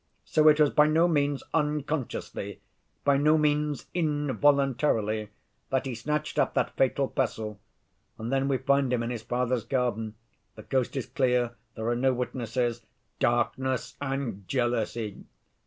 So it was by no means unconsciously, by no means involuntarily, that he snatched up that fatal pestle. And then we find him in his father's garden—the coast is clear, there are no witnesses, darkness and jealousy.